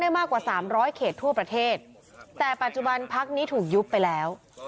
มากกว่าสามร้อยเขตทั่วประเทศแต่ปัจจุบันพักนี้ถูกยุบไปแล้ว